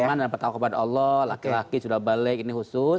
aman dan bertawa kepada allah laki laki sudah balik ini khusus